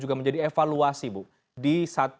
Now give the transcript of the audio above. juga menjadi evaluasi bu di saat